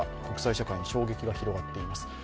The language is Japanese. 国際社会に衝撃が広がっています。